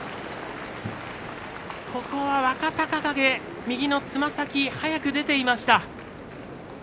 ここは若隆景、右のつま先が先に出ていました。